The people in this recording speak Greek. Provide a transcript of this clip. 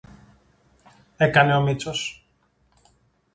έκανε ο Μήτσος.